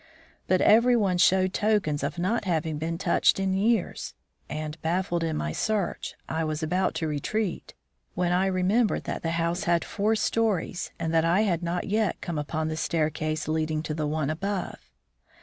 But every one showed tokens of not having been touched in years, and, baffled in my search, I was about to retreat, when I remembered that the house had four stories, and that I had not yet come upon the staircase leading to the one above.